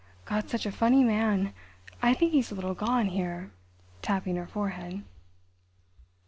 "Got such a funny man! I think he's a little gone here," tapping her forehead.